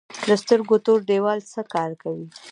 د سترګو تور دیوال څه کار کوي؟